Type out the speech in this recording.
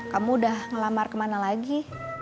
kamu udah ngelamar kemana lagi